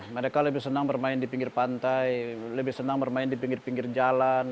mereka lebih senang bermain di pinggir pantai lebih senang bermain di pinggir pinggir jalan